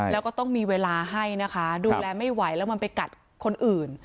แล้วก็ต้องมีเวลาให้นะคะดูแลไม่ไหวแล้วมันไปกัดคนอื่น